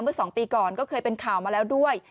เมื่อ๒ปีก่อนก็เคยเป็นข่าวมาแล้วด้วย